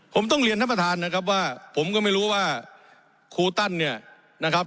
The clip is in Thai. ผมต้องเรียนท่านประธานนะครับว่าผมก็ไม่รู้ว่าครูตั้นเนี่ยนะครับ